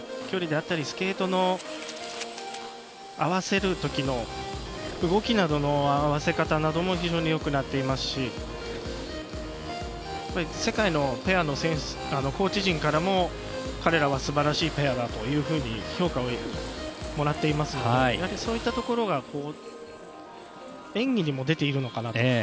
距離であったりスケートの合わせる時の動きなどの合わせ方も非常によくなっていますし世界のペアのコーチ陣からも彼らは素晴らしいペアだというふうに評価をもらっていますのでそういったところが演技にも出ているのかなと。